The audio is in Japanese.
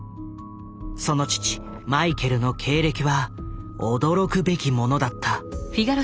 その父マイケルの経歴は驚くべきものだった。